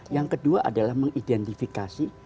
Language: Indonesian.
yang kedua adalah mengidentifikasi